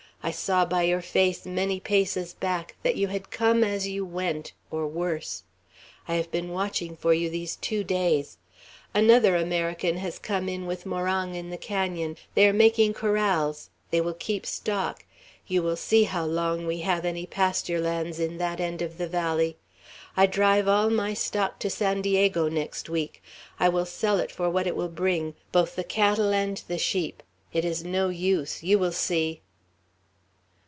I saw by your face, many paces back, that you had come as you went, or worse! I have been watching for you these two days. Another American has come in with Morong in the canon; they are making corrals; they will keep stock. You will see how long we have any pasture lands in that end of the valley. I drive all my stock to San Diego next week. I will sell it for what it will bring, both the cattle and the sheep. It is no use. You will see."